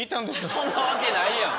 そんなわけないやん。